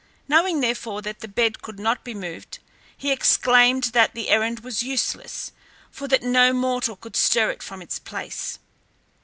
Knowing therefore that the bed could not be moved, he exclaimed that the errand was useless, for that no mortal could stir it from its place.